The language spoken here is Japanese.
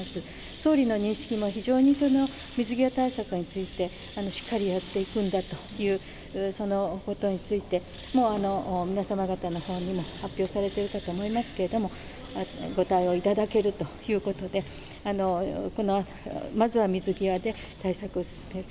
総理の認識も、非常に水際対策についてしっかりやっていくんだという、そのことについて、もう皆様方のほうにも発表されていると思いますけれども、ご対応いただけるということで、まずは水際で対策をする。